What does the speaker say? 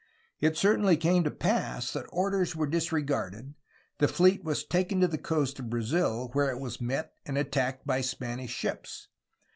It certainly came to pass that orders were disregarded, the fleet was taken to the coast of Brazil, where it was met and attacked by Spanish ships.